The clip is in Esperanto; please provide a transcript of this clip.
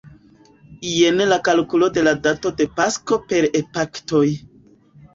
Jen la kalkulo de la dato de Pasko per epaktoj.